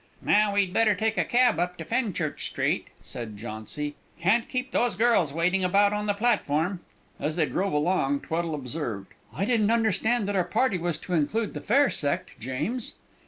"Now we'd better take a cab up to Fenchurch Street," said Jauncy. "Can't keep those girls standing about on the platform." As they drove along, Tweddle observed, "I didn't understand that our party was to include the fair sect, James?"